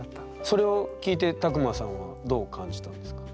それを聞いて卓馬さんはどう感じたんですか？